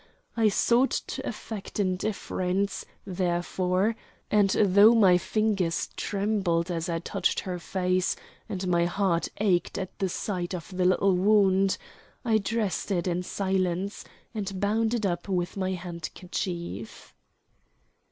I sought to affect indifference, therefore; and though my fingers trembled as I touched her face, and my heart ached at the sight of the little wound, I dressed it in silence, and bound it up with my handkerchief.